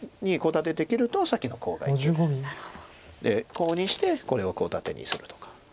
コウにしてこれをコウ立てにするとか。